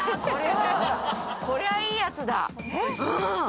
これはこりゃいいやつだ。